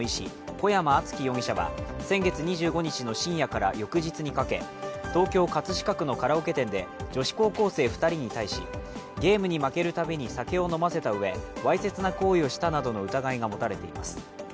小山忠宣容疑者は先月２５日の深夜から翌日にかけ東京・葛飾区のカラオケ店で女子高校生２人に対し、ゲームに負けるたびに酒を飲ませたうえわいせつな行為をしたなどの疑いが持たれています。